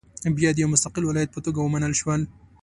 بیا د یو مستقل ولایت په توګه ومنل شول.